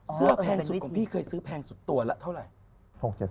แพงสุดของพี่เคยซื้อแพงสุดตัวละเท่าไหร่